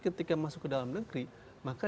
ketika masuk ke dalam negeri maka